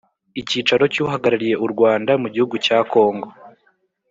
icyicaro cy uhagarariye u Rwanda mu gihugu cya kongo